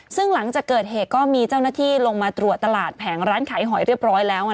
ซึ่งหลังจากเกิดเหตุก็มีเจ้าหน้าที่ลงมาตรวจตลาดแผงร้านขายหอยเรียบร้อยแล้ว